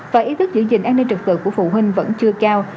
và ý thức giữ gìn an ninh trực tự của phụ huynh vẫn chưa cao